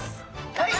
はい！